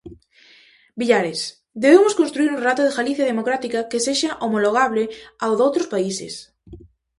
Villares: "Debemos construír un relato da Galicia democrática que sexa homologable ao doutros países".